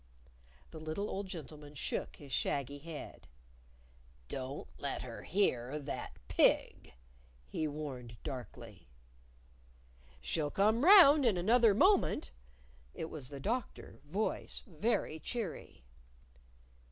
The little old gentleman shook his shaggy head. "Don't let her hear that pig!" he warned darkly. "She'll come round in another moment!" It was the Doctor, voice very cheery.